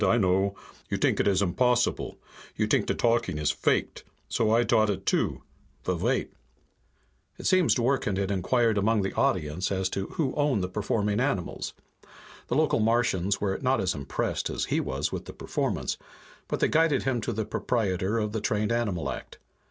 I know. You t'ink it is impossible. You t'ink the talking is faked. So I t'ought too. But vait." It seems Dworken had inquired among the audience as to who owned the performing animals. The local Martians were not as impressed as he was with the performance, but they guided him to the proprietor of the trained animal act.